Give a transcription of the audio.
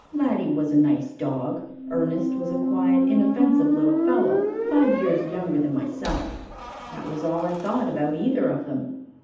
Laddie was a nice dog; Ernest was a quiet, inoffensive little fellow, five years younger than myself; that was all I thought about either of them.